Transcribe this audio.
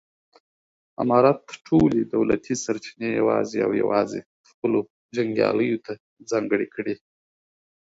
امارت ټولې دولتي سرچینې یوازې او یوازې خپلو جنګیالیو ته ځانګړې کړې.